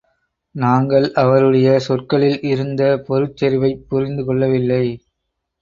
நாங்கள் அவருடைய சொற்களில் இருந்த பொருட்செறிவைப் புரிந்து கொள்ளவில்லை.